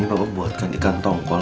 ini bapak buatkan ikan tongkol